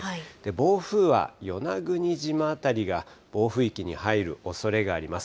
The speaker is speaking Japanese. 暴風は与那国島辺りが暴風域に入るおそれがあります。